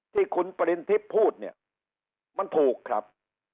ที่คุณปริณทิพย์พูดเนี่ยมันถูกครับ